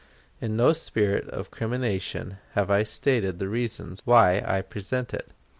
In no spirit of crimination have I stated the reasons why I present it.